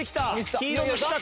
黄色の四角。